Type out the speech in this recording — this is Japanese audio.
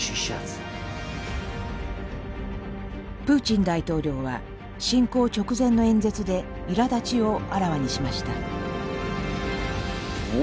プーチン大統領は侵攻直前の演説でいらだちをあらわにしました。